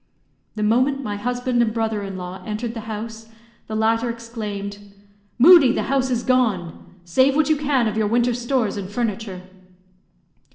The moment my husband and brother in law entered the house, the latter exclaimed, "Moodie, the house is gone; save what you can of your winter stores and furniture."